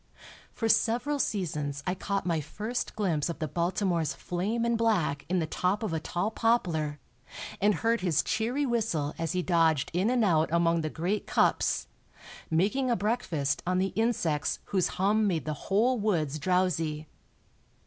For several seasons I caught my first glimpse of the Baltimore's flame and black in the top of a tall poplar, and heard his cheery whistle as he dodged in and out among the great cups, making a breakfast on the insects whose hum made the whole woods drowsy.